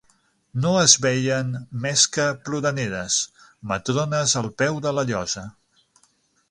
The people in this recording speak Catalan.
No es veien més que ploraneres, matrones al peu de la llosa